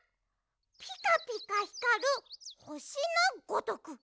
ピカピカひかるほしのごとく！